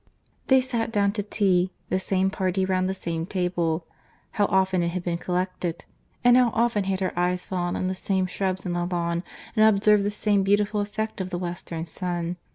They sat down to tea—the same party round the same table—how often it had been collected!—and how often had her eyes fallen on the same shrubs in the lawn, and observed the same beautiful effect of the western sun!